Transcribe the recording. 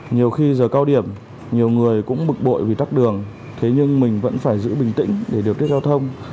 nhiều khi giờ cao điểm nhiều người cũng bực bội vì tắt đường thế nhưng mình vẫn phải giữ bình tĩnh để điều tiết giao thông